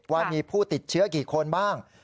ว่ามีผู้ติดเชื้อกี่คนบ้าง